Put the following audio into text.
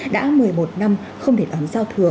đã một mươi một năm không thể đón giao thừa